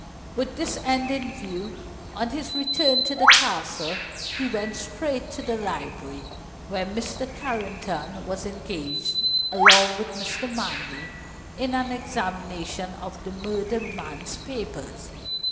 With this end in view, on his return to the Castle, he went straight to the library, where Mr. Carrington was engaged, along with Mr. Manley, in an examination of the murdered man's papers.